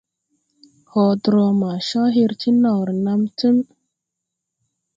Hotrɔ ma caw her ti naw renam Tim.